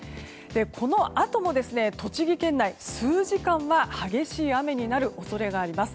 このあとも栃木県内で数時間は激しい雨になる恐れがあります。